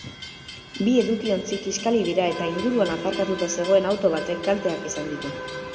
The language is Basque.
Bi edukiontzi kiskali dira eta inguruan aparkatuta zegoen auto batek kalteak izan ditu.